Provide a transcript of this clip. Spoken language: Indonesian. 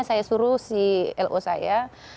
saya suruh si lo saya